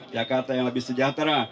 jakarta yang lebih sejahtera